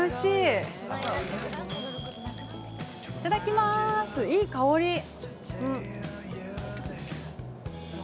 いい香り。